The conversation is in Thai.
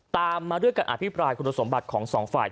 ตามมาด้วยการอภิปรายคุณสมบัติของสองฝ่าย